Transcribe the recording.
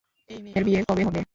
এই মেয়ের বিয়ে কবে হবে?